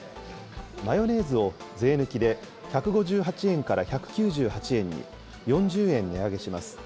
マヨネーズを税抜きで１５８円から１９８円に４０円値上げします。